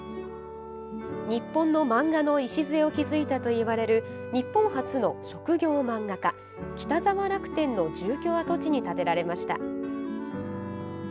日本の漫画の礎を築いたといわれる日本初の職業漫画家・北沢楽天の住居跡地に建てられました。